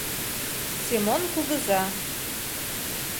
Семон кугыза.